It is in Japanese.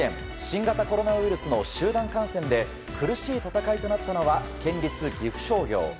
新型コロナウイルスの集団感染で苦しい戦いとなったのは県立岐阜商業。